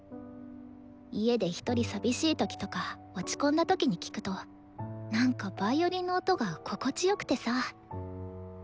家でひとり寂しい時とか落ち込んだ時に聴くとなんかヴァイオリンの音が心地よくてさ。